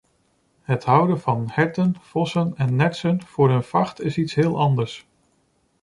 Het houden van herten, vossen en nertsen voor hun vacht is iets heel anders.